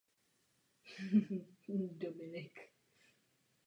Oblast vysočiny měla příznivé podmínky pro zrání.